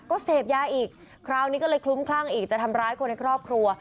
ก็เสพยาอีกคราวนี้ก็เลยคลุ้มคลั่งอีกจะทำร้ายคนในครอบครัว